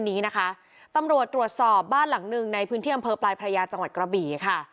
นี้นะคะตำรวจตรวจสอบบ้านหลังหนึ่งในพื้นที่อำเภอปลายพระยาจังหวัดกระบี่ค่ะ